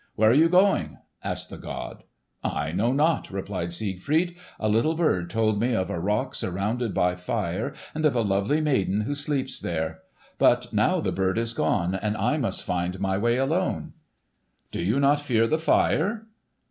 "Where are you going?" asked the god. "I know not," replied Siegfried. "A little bird told me of a rock surrounded by fire, and of a lovely maiden who sleeps there. But now the bird is gone, and I must find my way alone." "Do you not fear the fire?"